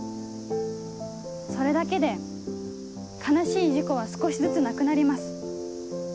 それだけで悲しい事故は少しずつなくなります。